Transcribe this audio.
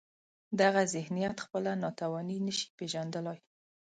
دغه ذهنیت خپله ناتواني نشي پېژندلای.